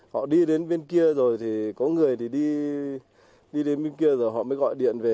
họ đi đến bên kia rồi thì có người thì đi đến bên kia rồi họ mới gọi điện về